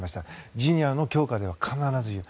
ジュニアの強化では必ずいる。